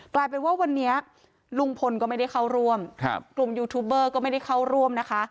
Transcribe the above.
กลายเป็นว่าวันนี้ลุงพลก็ไม่ได้เข้าร่วมกลุ่มยูทูบเบอร์ก็ไม่ได้เข้าร่วมนะคะ